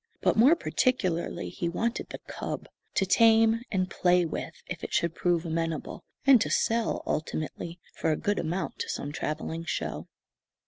But more particularly he wanted the cub, to tame and play with if it should prove amenable, and to sell, ultimately, for a good amount, to some travelling show.